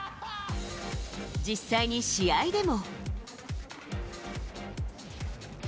実際に試合でも。